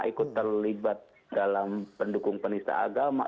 ikut terlibat dalam pendukung penista agama